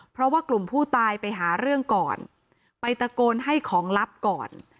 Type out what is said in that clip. เพราะว่ากลุ่มผู้ตายไปหาเรื่องก่อนไปตะโกนให้ของลับก่อน